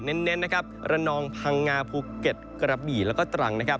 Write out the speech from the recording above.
เน้นนะครับระนองพังงาภูเก็ตกระบี่แล้วก็ตรังนะครับ